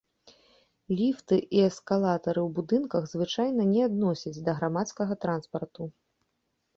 Ліфты і эскалатары ў будынках звычайна не адносяць да грамадскага транспарту.